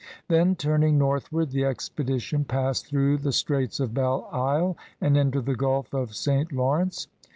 Then, turning northward, the expedition passed through the straits of Belle Isle and into the Gulf of St. Law rence.